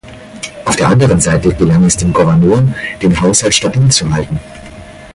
Auf der anderen Seite gelang es dem Gouverneur, den Haushalt stabil zu halten.